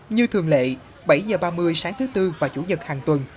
như thường lệ bảy h ba mươi sáng thứ tư và chủ nhật hàng tuần